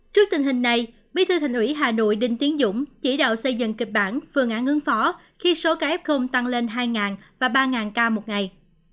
trước tình hình này mỹ thư thành ủy hà nội đinh tiến dũng chỉ đạo xây dần kịch bản phương án ứng phó khi số kf tăng lên hai và ba ca một ngày